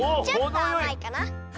ちょっとあまいかな。